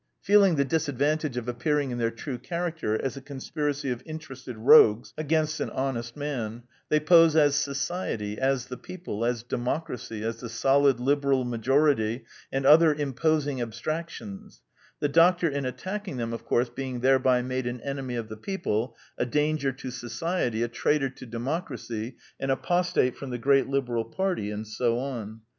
Feeling the disadvantage of appearing in their true character as a conspiracy of inter ested rogues against an honest man, they pose as Society, as The People, as Democracy, as the solid Liberal Majority, and other imposing ab stractions, the doctor, in attacking them, of course being thereby made an enemy of The People, a danger to Society, a traitor to Democracy, an apostate from the great Liberal party, and so on.